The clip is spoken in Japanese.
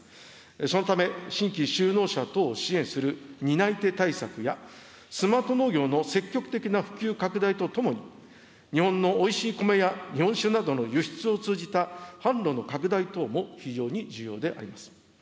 そのため、新規就農者等を支援する担い手対策や、スマート農業の積極的な普及拡大とともに、日本のおいしい米や日本酒などの輸出を通じた販路の拡大等も非常に重要であります。